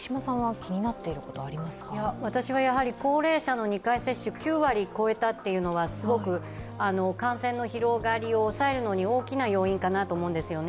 私は高齢者の２回接種９割超えたというのは、すごく感染の広がりを抑えるのに大きな要因かと思っています。